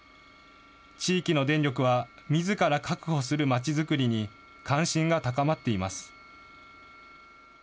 地域の電力はみずから確保するまちづくりに関心が高まっています。